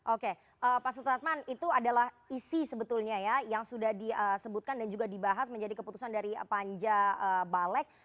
oke pak supratman itu adalah isi sebetulnya ya yang sudah disebutkan dan juga dibahas menjadi keputusan dari panja balek